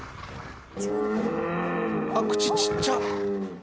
あっ口ちっちゃ！